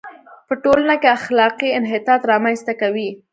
په ټولنه کې اخلاقي انحطاط را منځ ته کوي.